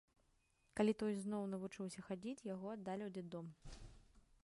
Калі той зноў навучыўся хадзіць, яго аддалі ў дзетдом.